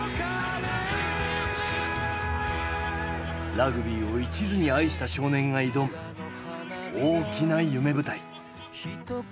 ラグビーをいちずに愛した少年が挑む大きな夢舞台。